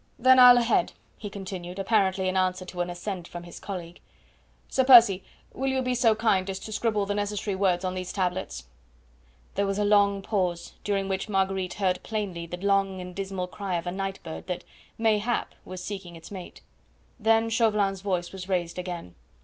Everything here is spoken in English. "Then I'll ahead," he continued, apparently in answer to an assent from his colleague. "Sir Percy, will you be so kind as to scribble the necessary words on these tablets?" There was a long pause, during which Marguerite heard plainly the long and dismal cry of a night bird that, mayhap, was seeking its mate. Then Chauvelin's voice was raised again.